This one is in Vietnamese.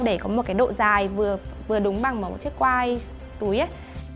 để có một cái độ dài vừa đúng bằng một chiếc quai túi